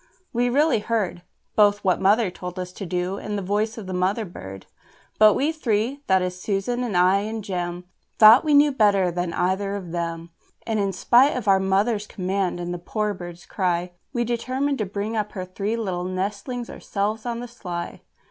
We really heard Both what Mother told us to do, and the voice of the mother bird. But we three that is Susan and I and Jem Thought we knew better than either of them: And in spite of our mother's command and the poor bird's cry, We determined to bring up her three little nestlings ourselves on the sly.